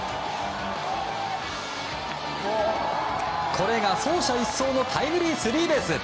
これが走者一掃のタイムリースリーベース！